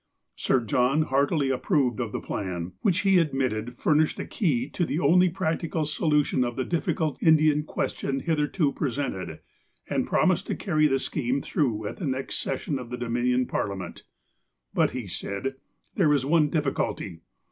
Sir John heartily approved of the plan, which he ad mitted furnished the key to the only practical solution of the difficult Indian question hitherto presented, and promised to carry the scheme through at the next session of the Dominion Parliament. ''But," said he, "there is one difficulty.